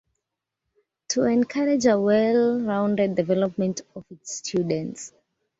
To encourage a well-rounded development of its students.